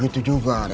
akier kelapa tadi